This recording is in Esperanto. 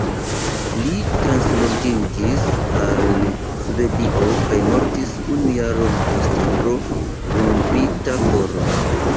Li transloĝiĝis al Svedio kaj mortis unu jaron poste pro "rompita koro".